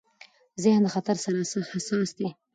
ذهن د خطر سره حساس دی.